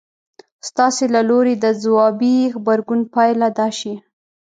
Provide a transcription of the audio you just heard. ستاسې له لوري د ځوابي غبرګون پايله دا شي.